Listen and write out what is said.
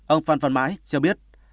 ông phan văn mãi cho biết